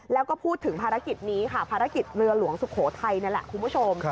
แล้วก็พูดถึงภารกิจนี้ค่ะภารกิจเรือหลวงสุโขทัยนั่นแหละคุณผู้ชม